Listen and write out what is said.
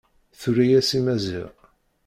Tura-yas i Maziɣ.